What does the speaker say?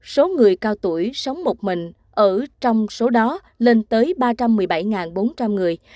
số người cao tuổi sống một mình ở trong số đó lên tới ba trăm một mươi bảy bốn trăm linh người